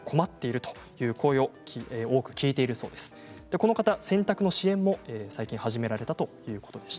この方は洗濯の支援も最近始められたということです。